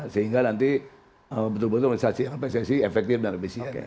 sehingga nanti betul betul organisasi efektif dan efisien